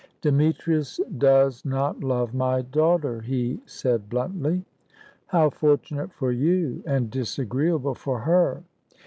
"Demetrius does not love my daughter," he said bluntly. "How fortunate for you, and disagreeable for her!"